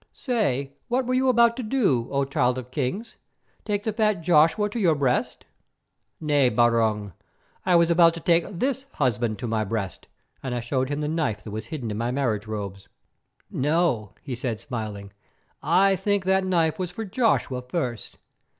Say, what were you about to do, O Child of Kings? Take the fat Joshua to your breast?" "Nay, Barung, I was about to take this husband to my breast," and I showed him the knife that was hidden in my marriage robe. "No," he said, smiling, "I think the knife was for Joshua first.